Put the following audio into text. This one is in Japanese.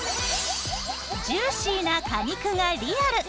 ジューシーな果肉がリアル！